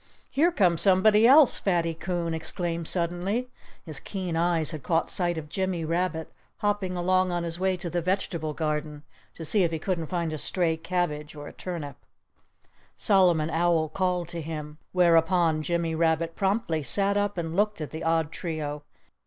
"Here comes somebody else!" Fatty Coon exclaimed suddenly. His keen eyes had caught sight of Jimmy Rabbit, hopping along on his way to the vegetable garden, to see if he couldn't find a stray cabbage or a turnip. Solomon Owl called to him. Whereupon, Jimmy Rabbit promptly sat up and looked at the odd trio.